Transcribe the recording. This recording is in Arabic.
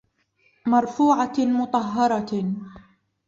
مَرفوعَةٍ مُطَهَّرَةٍ